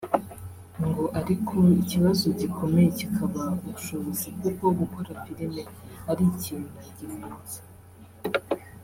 ngo ariko ikibazo gikomeye kikaba ubushobozi kuko gukora filime ari ikintu gihenze